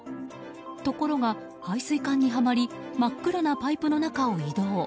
ところが配水管にはまり真っ暗なパイプの中を移動。